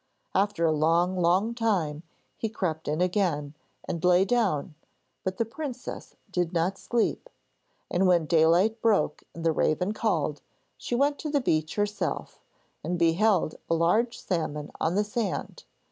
After a long, long time he crept in again and lay down, but the princess did not sleep; and when daylight broke and the raven called, she went to the beach herself, and beheld a large salmon on the sand.